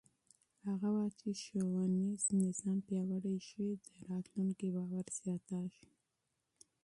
هغه مهال چې ښوونیز نظام پیاوړی شي، د راتلونکي باور زیاتېږي.